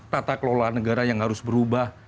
tata kelola negara yang harus berubah